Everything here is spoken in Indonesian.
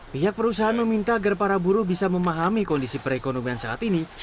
pihak perusahaan meminta agar para buruh bisa memahami kondisi perekonomian saat ini